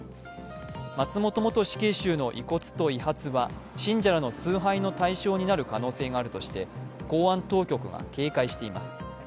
松本元死刑囚の遺骨と遺髪は信者らの崇拝の対象になる可能性があるとして、公安当局が警戒しています。